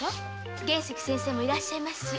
玄石先生もいらっしゃいますし。